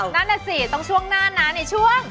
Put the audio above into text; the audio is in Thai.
นั่นแหละสิต้องช่วงหน้านั้นเนี่ยช่วง